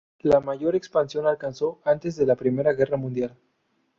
La mayor expansión alcanzó antes de la Primera Guerra Mundial.